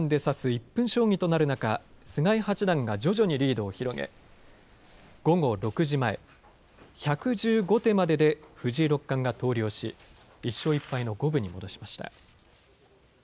１分将棋となる中菅井八段が徐々にリードを広げ午後６時前１１５手までで藤井六冠が投了し１勝１敗の五分に戻しました。